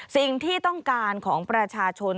สิ่งที่ต้องการของประชาชน